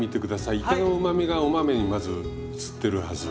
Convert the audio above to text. いかのうまみがお豆にまずうつってるはず。